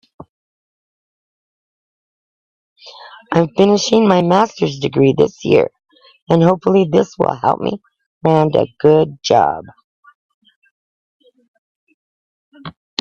I'm finishing my masters degree this year and hopefully this will help me land a good job.